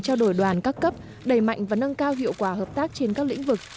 trao đổi đoàn các cấp đẩy mạnh và nâng cao hiệu quả hợp tác trên các lĩnh vực